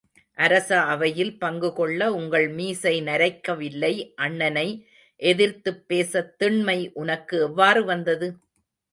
அரச அவையில் பங்குகொள்ள உங்கள் மீசை நரைக்கவில்லை அண்ணனை எதிர்த்துப்பேசத் திண்மை உனக்கு எவ்வாறு வந்தது?